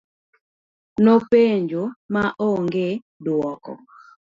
Nopenjo ma ong'e duoko.